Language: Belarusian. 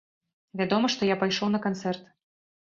Вядома, што я пайшоў на канцэрт!